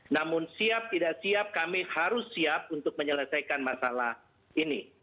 namun siap tidak siap kami harus siap untuk menyelesaikan masalah ini